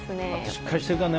しっかりしてるからね。